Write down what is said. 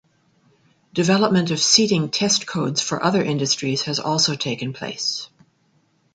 Development of seating test codes for other industries has also taken place.